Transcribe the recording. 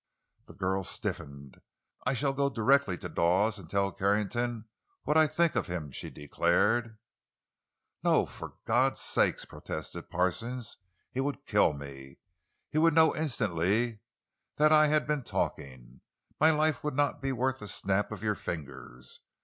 The girl stiffened. "I shall go directly to Dawes and tell Carrington what I think of him!" she declared. "No—for God's sake!" protested Parsons. "He would kill me! He would know, instantly, that I had been talking. My life would not be worth a snap of your fingers!